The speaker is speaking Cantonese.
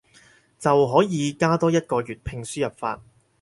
就可以加多一個粵拼輸入法